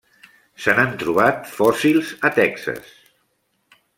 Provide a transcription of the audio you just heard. Se n'han trobat fòssils a Texas.